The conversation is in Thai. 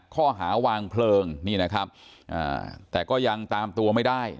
ข้อหาวางเพลิงนี่นะครับแต่ก็ยังตามตัวไม่ได้